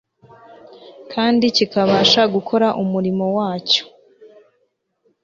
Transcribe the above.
kandi kikabasha gukora umurimo wacyo